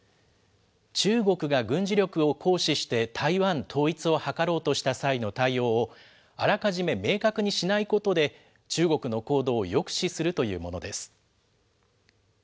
中国が軍事力を行使して台湾統一を図ろうとした際の対応を、あらかじめ明確にしないことで、中国の行動を抑止するというものです。